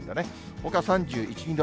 ほか３１、２度。